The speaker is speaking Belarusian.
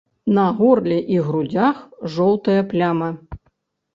На горле і грудзях жоўтая пляма.